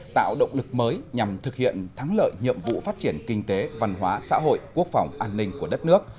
tạo động lực mới nhằm thực hiện thắng lợi nhiệm vụ phát triển kinh tế văn hóa xã hội quốc phòng an ninh của đất nước